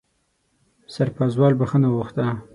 سرپازوال بښنه وغوښته.